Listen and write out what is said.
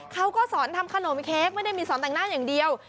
เขาก็สอนทำขนมเค้กไม่ได้มีสอนแต่งหน้าอย่างเดียว